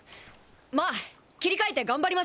まあ切り替えて頑張りましょう！